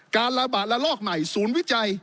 การระบาดระลอกใหม่ศูนย์วิจัย